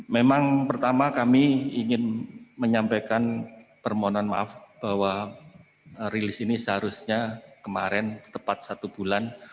memang pertama kami ingin menyampaikan permohonan maaf bahwa rilis ini seharusnya kemarin tepat satu bulan